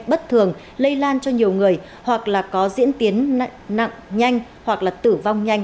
bất thường lây lan cho nhiều người hoặc là có diễn tiến nặng nhanh hoặc là tử vong nhanh